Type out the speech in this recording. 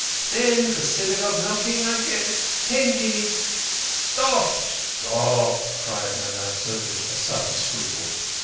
Den for Synagogue knocking I get ten guin "" Stop ! stop !" cried Manasseh, with a sudden scruple.